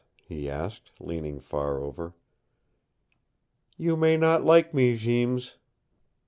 he asked, leaning far over. "You may not like me, Jeems."